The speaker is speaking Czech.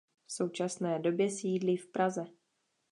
V současné době sídlí v Praze.